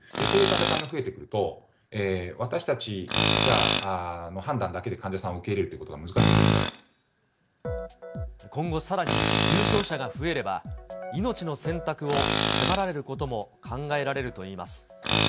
そういう患者さんが増えてくると、私たちの判断だけで患者さんを受け入れるというのは、難しいこと今後さらに重症者が増えれば、命の選択を迫られることも考えられるといいます。